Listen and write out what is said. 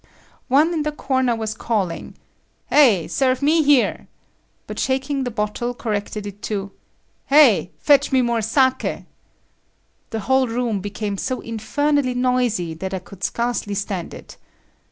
One in the corner was calling "Hey, serve me here," but shaking the bottle, corrected it to "Hey, fetch me more sake." The whole room became so infernally noisy that I could scarcely stand it.